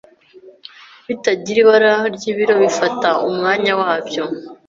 bitagira ibara ryibiro bifata umwanya wabyo,